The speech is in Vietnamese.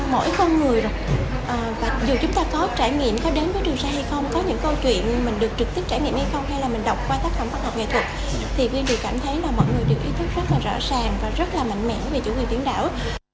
và rất là mạnh mẽ về chủ quyền biển đảo